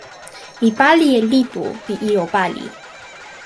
mi pali e lipu pi ijo pali: